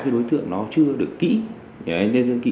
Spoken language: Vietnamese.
đối tượng nó chưa được kĩ